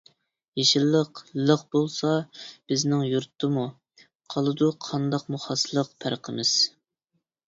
يېشىللىق لىق بولسا بىزنىڭ يۇرتتىمۇ، قالىدۇ قانداقمۇ خاسلىق، پەرقىمىز؟ !